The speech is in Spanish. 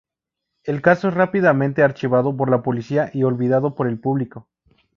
El caso es rápidamente archivado por la policía y olvidado por el público.